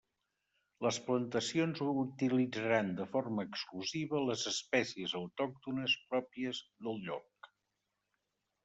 Les plantacions utilitzaran de forma exclusiva les espècies autòctones pròpies del lloc.